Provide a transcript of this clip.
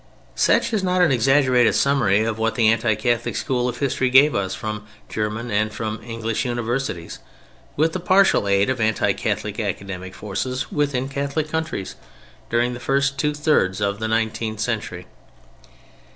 Such is not an exaggerated summary of what the anti Catholic school of history gave us from German and from English universities (with the partial aid of anti Catholic academic forces within Catholic countries) during the first two thirds of the nineteenth century.